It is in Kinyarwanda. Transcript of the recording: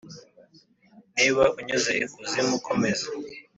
niba unyuze ikuzimu komeza.